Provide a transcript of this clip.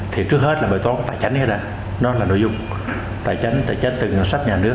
thì trước hết là bài toán tài chính hết nè nó là nội dung tài chính tài chính từ ngành sách nhà nước